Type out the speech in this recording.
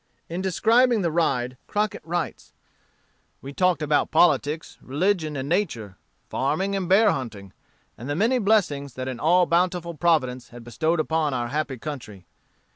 In describing the ride, Crockett writes: "We talked about politics, religion, and nature, farming, and bear hunting, and the many blessings that an all bountiful Providence has bestowed upon our happy country.